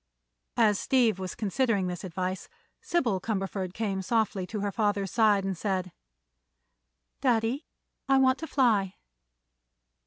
As Steve was considering this advice Sybil Cumberford came softly to her father's side and said: "Daddy, I want to fly."